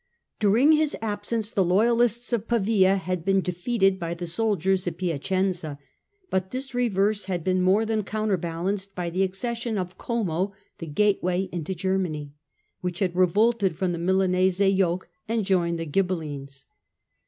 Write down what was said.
During his absence the loyalists of Pavia had been defeated by the soldiers of Piacenza, but this reverse had been more than counterbalanced by the accession of Como, the gateway into Germany, which had revolted from the Milanese yoke and joined the Ghibellines.